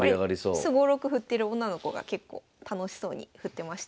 これすごろく振ってる女の子が結構楽しそうに振ってましたね。